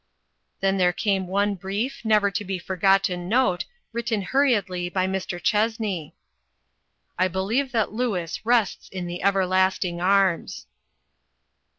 " Then there came one brief, never to be forgotten note, written hurriedly by Mr. Chessney : "I believe that Louis rests in the Everlast ing Arms."